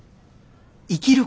生きる